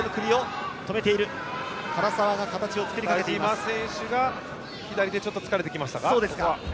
田嶋選手がちょっと疲れてきましたか。